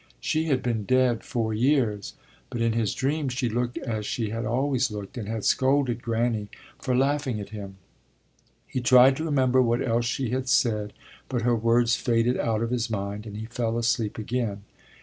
She had been dead four years, but in his dream she looked as she had always looked, and had scolded Granny for laughing at him. He tried to remember what else she had said but her words faded out of his mind and he fell asleep again.